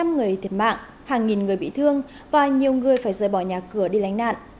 năm người thiệt mạng hàng nghìn người bị thương và nhiều người phải rời bỏ nhà cửa đi lánh nạn